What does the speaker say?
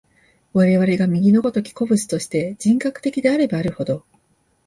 我々が右の如き個物として、人格的であればあるほど、